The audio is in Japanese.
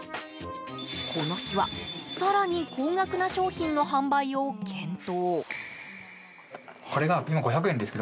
この日は更に高額な商品の販売を検討。